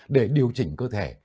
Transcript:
để điều chỉnh cơ thể